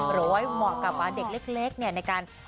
เหมาะกับเด็กเล็กในการ